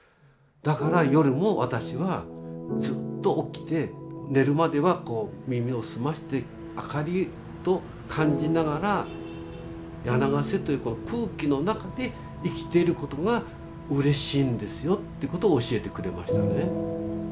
「だから夜も私はずっと起きて寝るまでは耳を澄まして明かりを感じながら柳ケ瀬というこの空気の中で生きてることがうれしいんですよ」ってことを教えてくれましたね。